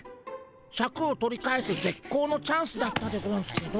シャクを取り返すぜっこうのチャンスだったでゴンスけど。